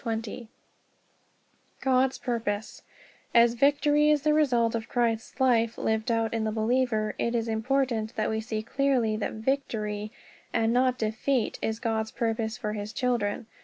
=God's Purpose= As Victory is the result of Christ's Life lived out in the believer, it is important that we see clearly that Victory, and not defeat, is God's Purpose for his Children.